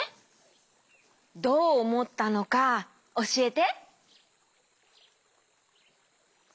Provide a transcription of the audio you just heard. どうおもったのかおしえて。